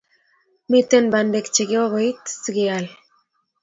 Miten Bandek che kokoit so sikeyal